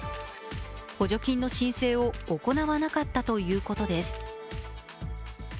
補助金の申請を行わなかったということです。